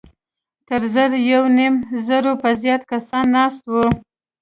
تر زر يونيم زرو به زيات کسان ناست وو.